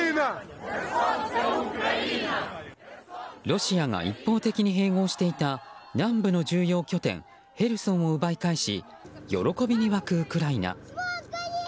ロシアが一方的に併合していた南部の重要拠点ヘルソンを奪い返し喜びに沸くウクライナ。